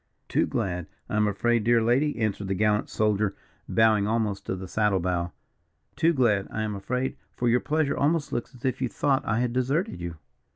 "Too glad, I am afraid, dear lady," answered the gallant soldier, bowing almost to the saddle bow, "too glad, I am afraid; for your pleasure almost looks as if you thought I had deserted you."